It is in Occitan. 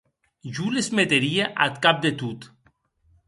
Jo les meteria ath cap de tot.